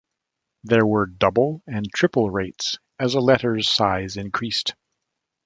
There were "double" and "triple" rates as a letter's size increased.